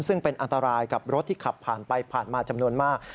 ซึ่งเป็นอันตรายกับรถที่ขับผ่านไปผ่านมาจำนวนมาก